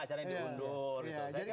jadi tidak seperti itu